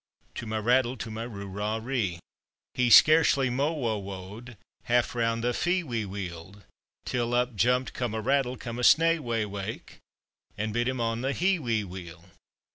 To my rattle, to my roo rah ree! He scarcely mo wo wowed Half round the fie we wield Till up jumped come a rattle, come a sna wa wake, And bit him on the he we weel.